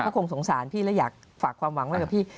เขาคงสงสารพี่และอยากฝากความหวังไว้กับพี่